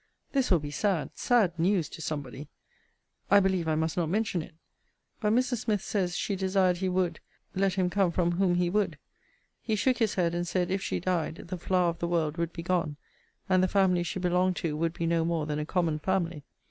this will be sad, sad news to somebody! I believe I must not mention it. But Mrs. Smith says she desired he would, let him come from whom he would. He shook his head, and said if she died, the flower of the world would be gone, and the family she belonged to would be no more than a common family.